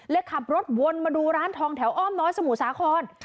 ขับรถวนมาดูร้านทองแถวอ้อมน้อยสมุทรสาคร